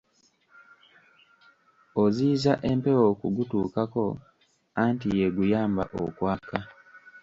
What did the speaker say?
Oziyiza empewo okugutuukako; anti y'eguyamba okwaka.